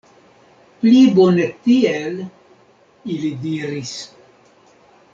Pli bone tiel, ili diris.